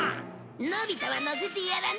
のび太は乗せてやらない！